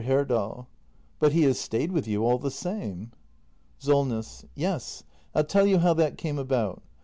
Herdal. But he has stayed with you all the same. Solness. Yes, I'll tell you how that came about.